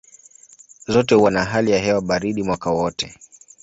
Zote huwa na hali ya hewa baridi mwaka wote.